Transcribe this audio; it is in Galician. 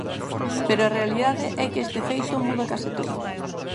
Pero a realidade é que este feito muda case todo.